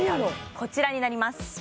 こちらになります